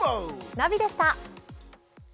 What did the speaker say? ナビでした！